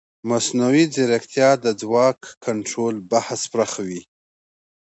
مصنوعي ځیرکتیا د ځواک او کنټرول بحث پراخوي.